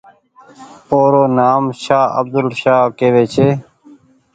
او رو نآم شاه عبدولآشاه ڪيوي ڇي۔